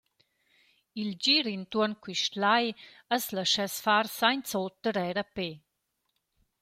Il gir intuorn quist lai as laschess far sainz‘oter eir a pè.